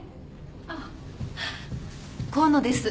あっ河野です。